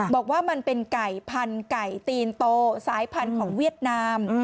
บอกว่ามันเป็นไก่พันธุ์ไก่ตีนโตสายพันธุ์ของเวียดนาม